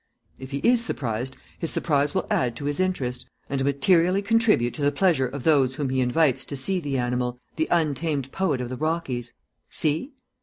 If he is surprised, his surprise will add to his interest, and materially contribute to the pleasure of those whom he invites to see the animal the untamed poet of the Rockies. See?"